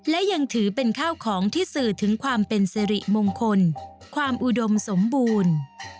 และยังถือเป็นข้าวของที่สื่อถึงความเป็นสิริมงคลความอุดมสมบูรณ์